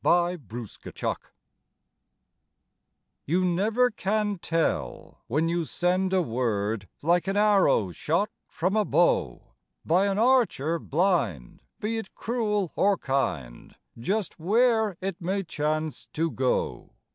YOU NEVER CAN TELL You never can tell when you send a word, Like an arrow shot from a bow By an archer blind, be it cruel or kind, Just where it may chance to go!